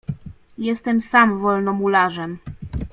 "Jestem sam Wolnomularzem."